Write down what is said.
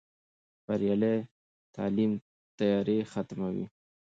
بریالی تعلیم تیارې ختموي.